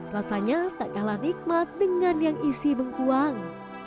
rasanya tak kalah nikmat dengan yang isi bengkuang